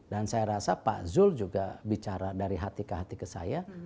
dan saya rasa pak zul juga bicara dari hati ke hati ke saya